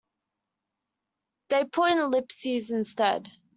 They put in ellipses instead.